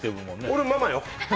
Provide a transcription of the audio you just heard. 俺、ママよ。